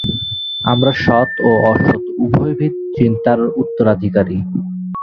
আমরা সৎ ও অসৎ উভয়বিধ চিন্তার উত্তরাধিকারী।